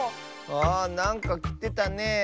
あなんかきてたねえ。